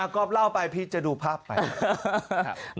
ก็เล่าไปพี่จะดูภาพไป